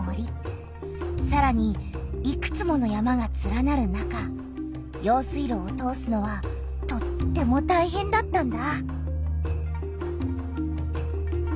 さらにいくつもの山がつらなる中用水路を通すのはとってもたいへんだったんだ。